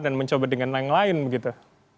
dan mencoba dengan yang lain begitu